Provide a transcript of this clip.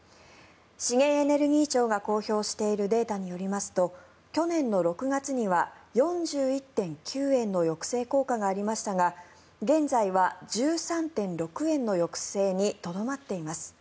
資源エネルギー庁が公表しているデータによりますと去年の６月には４１．９円の抑制効果がありましたが現在は１３．６円の抑制にとどまっています。